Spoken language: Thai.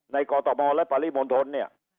ในกทมและปฏิบันทนเนี่ย